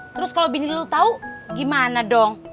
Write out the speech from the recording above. terus kalo bini lu tau gimana dong